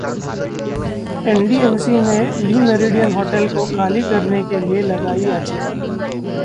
NDMC ने Le Meridien hotel को खाली कराने के लिए लगाई याचिका